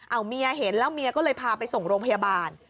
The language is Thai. เอาเมียเห็นแล้วเมียก็เลยพาไปส่งโรงพยาบาล